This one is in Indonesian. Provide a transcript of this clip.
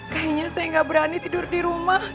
kayaknya saya nggak berani tidur di rumah